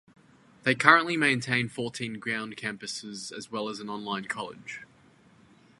They currently maintain fourteen ground campuses as well as an online college.